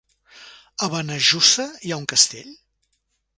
A Benejússer hi ha un castell?